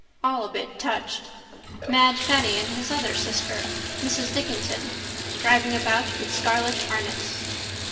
All a bit touched. Mad Fanny and his other sister Mrs Dickinson driving about with scarlet harness.